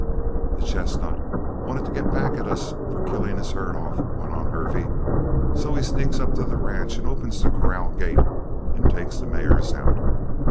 "The chestnut wanted to get back at us for killing his herd off," went on Hervey. "So he sneaks up to the ranch and opens the corral gate and takes the mares out.